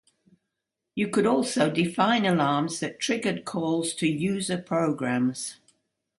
You could also define alarms that triggered calls to user programs.